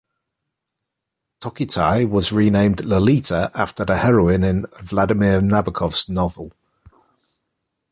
Tokitae was renamed Lolita "after the heroine in Vladimir Nabokov's novel".